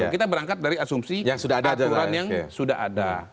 kita berangkat dari asumsi aturan yang sudah ada